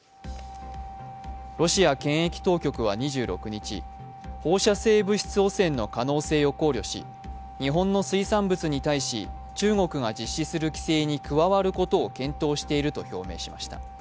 ロシア検疫当局は２６日、放射性物質汚染の可能性を考慮し、日本の水産物に対し中国が実施する規制に加わることを検討していると表明しました。